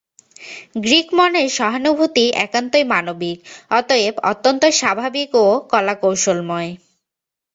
Greek মনের সহানুভূতি একান্তই মানবিক, অতএব অত্যন্ত স্বাভাবিক ও কলাকৌশলময়।